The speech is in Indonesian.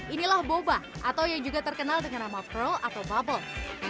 inilah boba atau yang juga terkenal dengan nama pro atau bubble